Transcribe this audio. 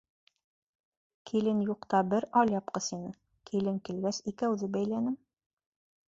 Килен юҡта бер алъяпҡыс ине, килен килгәс, икәүҙе бәйләнем.